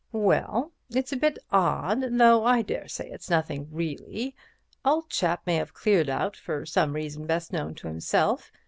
"Well, it's a bit odd, though I daresay it's nothing really—old chap may have cleared for some reason best known to himself.